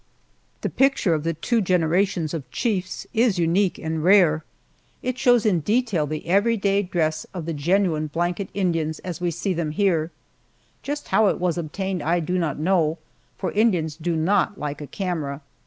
The picture of the two generations of chiefs is unique and rare. It shows in detail the everyday dress of the genuine blanket Indians as we see them here. Just how it was obtained I do not know, for Indians do not like a camera.